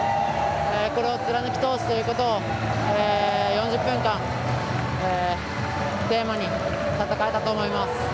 これを貫き通すということを４０分間、テーマに戦えたと思います。